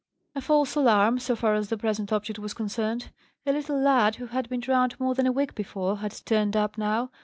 A false alarm, so far as the present object was concerned. A little lad, who had been drowned more than a week before, had turned up now.